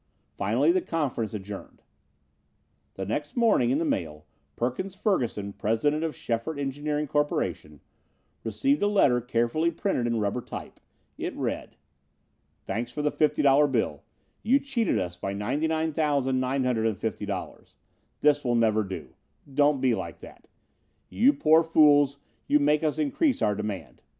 Finally the conference adjourned. The next morning in the mail, Perkins Ferguson, president of Schefert Engineering Corporation, received a letter carefully printed in rubber type. It read: Thanks for the $50 bill. You cheated us by $99,950. This will never do. Don't be like that. You poor fools, you make us increase our demand.